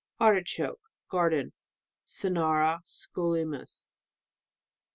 213 Artichoke, garden . Cynara scolymus.